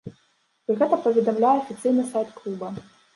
Пра гэта паведамляе афіцыйны сайт клуба.